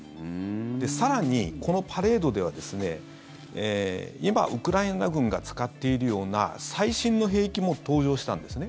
更に、このパレードでは今、ウクライナ軍が使っているような最新の兵器も登場したんですね。